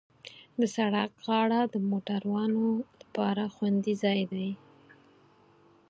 د سړک غاړه د موټروانو لپاره خوندي ځای دی.